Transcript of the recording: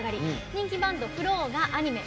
人気バンドＦＬＯＷがアニメ